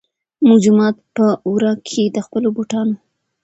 مونږ جومات پۀ ورۀ کښې د خپلو بوټانو